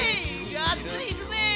がっつりいくぜ！